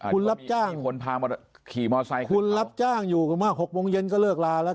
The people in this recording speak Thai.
คุณรับจ้างคุณรับจ้างอยู่กันมาก๖โมงเย็นก็เลิกลาแล้ว